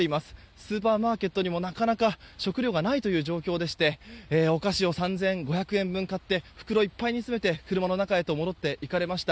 スーパーマーケットにもなかなか食料がないという状況でしてお菓子を３５００円分買って袋いっぱいに詰めて車の中へと戻っていかれました。